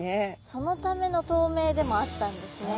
そのための透明でもあったんですね。